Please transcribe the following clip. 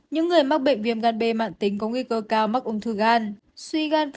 những người mắc bệnh viêm gan b mạng tính có nguy cơ cao mắc ung thư gan